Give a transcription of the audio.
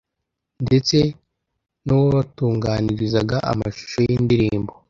ndetse n’uwabatunganirizaga amashusho y’indirimbo